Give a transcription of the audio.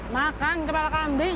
makan kepala kambing